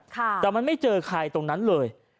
แต่มันไม่เจอใครตรงนั้นเลย